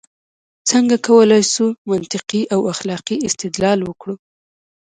څنګه کولای شو منطقي او اخلاقي استدلال وکړو؟